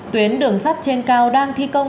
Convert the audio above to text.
tuyến đường sắt trên cao đang thi công